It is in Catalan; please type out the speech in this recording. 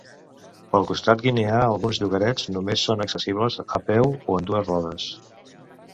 Pel costat guineà alguns llogarets només són accessibles a peu o en dues rodes.